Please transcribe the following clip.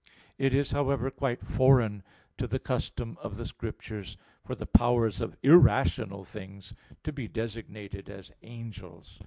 It is, however, quite foreign to the custom of the Scriptures for the powers of irrational things to be designated as angels.